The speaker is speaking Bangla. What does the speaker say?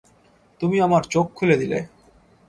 তুমি আমার চোখ খুলে দিলে।